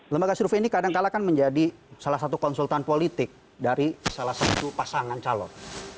lembaga survei ini kadangkala kan menjadi salah satu konsultan politik dari salah satu pasangan calon